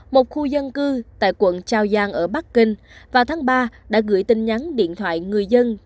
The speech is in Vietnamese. một khu dân cư tại quận trao giang ở bắc kinh vào tháng ba đã gửi tin nhắn điện thoại người dân